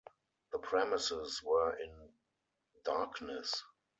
The premises were in darkness.